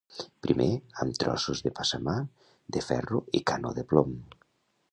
Primer, amb trossos de passamà de ferro i canó de plom